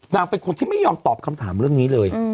เป็นคนที่ไม่ยอมตอบคำถามเรื่องนี้เลย